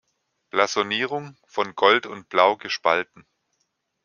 Blasonierung: „Von Gold und Blau gespalten.